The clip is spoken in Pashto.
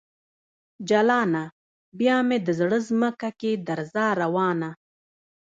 جلانه ! بیا مې د زړه ځمکه کې درزا روانه